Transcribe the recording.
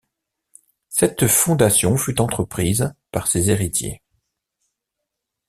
Cette fondation fut entreprise par ses héritiers.